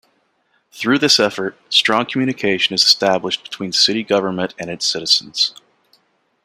Through this effort, strong communication is established between city government and its citizens.